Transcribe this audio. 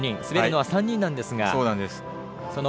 滑るのは３人なんですが。